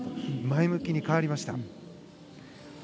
前向きに変わりました。